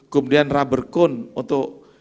kemudian rubber cone untuk